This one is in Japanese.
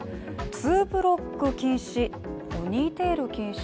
ツーブロック禁止、ポニーテール禁止。